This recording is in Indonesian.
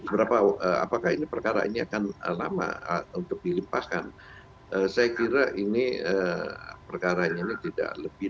berapa apakah ini perkara ini akan lama untuk dilimpahkan saya kira ini perkara ini tidak lebih